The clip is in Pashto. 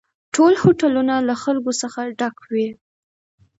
ټول هوټلونه له خلکو څخه ډک وي